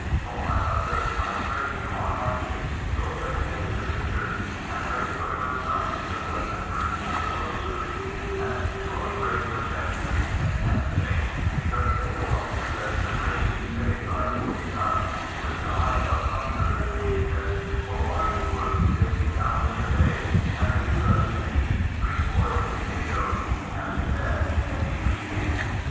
O my Mother, I pray you on my knees go every day to the church and pray for your son to_the Blessed Virgin of the Rosary, and to our great protector, Saint Anthony, because they alone possess the grace to save thy pdor son who is % dying of hunger and weakness, for one works fifteen hours a day and they give lis to eat three boiled potatoes, and then many beatings.